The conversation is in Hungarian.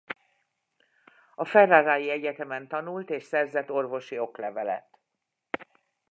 A ferrarai egyetemen tanult és szerzett orvosi oklevelet.